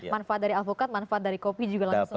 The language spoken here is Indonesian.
manfaat dari alpukat manfaat dari kopi juga langsung minum